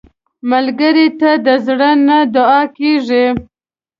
ملګری ته د زړه نه دعا کېږي